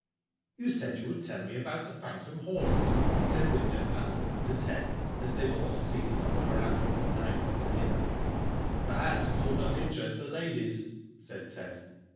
'*You .said you would tell me about the phantom horse'* said Wyndham Han worth to Ted as they were £\11 seated on the verandah one night after dinner. " Perhaps it would not interest the ladies," said Ted.